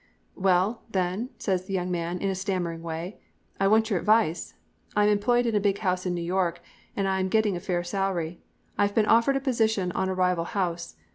"'Well, then,' says the young man, in a stammering way; 'I want your advice. I'm employed in a big house in New York and I am getting a fair salary. I have been offered a position in a rival house.